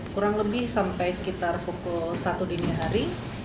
kurang lebih sampai sekitar pukul satu dini hari